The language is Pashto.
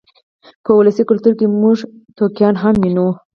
په ولسي کلتور کې موږ ټوکیان هم وینو.